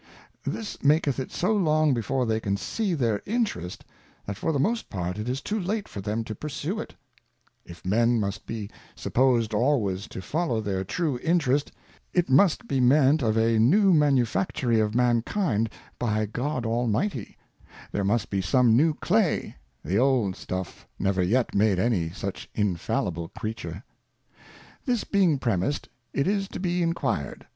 This maketh it so long before they can see their Interest, that for the most part it is too late for them to pursue it: If Men xoust be ^ supposed, always to follow their true Interest, it must be meant of a New Manufactory of Mankind by 1 74 ^ Rough Draught by God Almighty; there must be some new C/a^j the_pld S^m^ never yet made any such infallible Creature. This being premis'd^ it is to be inquired.